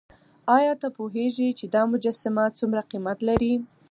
ایا ته پوهېږې چې دا مجسمه څومره قیمت لري؟